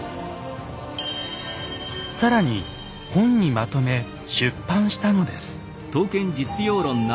更に本にまとめ出版したのです。